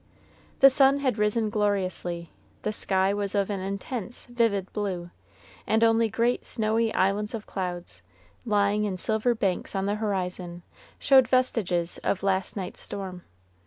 The sun had risen gloriously, the sky was of an intense, vivid blue, and only great snowy islands of clouds, lying in silver banks on the horizon, showed vestiges of last night's storm.